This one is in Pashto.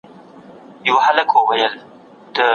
تاسې باید د خپلو کارونو پایلې په دقت سره ارزونه وکړئ.